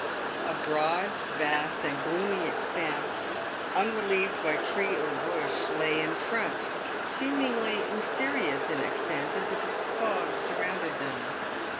A broad, vast, and gloomy expanse, unrelieved by tree or bush, lay in front, seeming mysterious in extent, as if a fog surrounded them.